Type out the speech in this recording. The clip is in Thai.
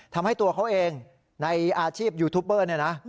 ทำให้ตัวเขาเองในอาชีพยูทูปเบอร์เนี่ยนะ